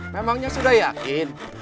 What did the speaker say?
memangnya sudah yakin